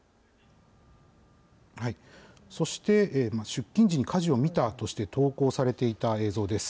そして、出勤時に火事を見たとして、投稿されていた映像です。